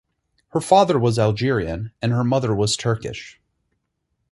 Her father was Algerian and her mother was Turkish.